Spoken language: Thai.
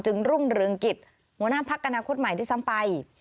จึงรุ่งเรืองกิจหัวหน้าภักรณาคตใหม่ที่ซ้ำไป